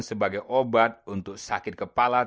sebagai obat untuk sakit kepala